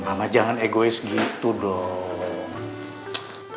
mama jangan egois gitu dong